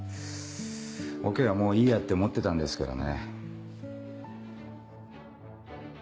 オケはもういいやって思ってたんですけどね。